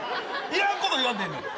いらんこと言わんでええねん。